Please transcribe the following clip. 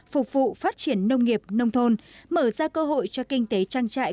phục vụ phát triển nông nghiệp nông thôn mở ra cơ hội cho kinh tế trang trại